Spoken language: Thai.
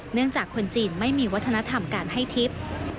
เนื่องจากคนจีนไม่มีวัฒนธรรมการให้ทิพย์